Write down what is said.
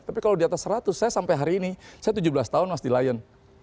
tapi kalau di atas seratus saya sampai hari ini saya tujuh belas tahun masih di lion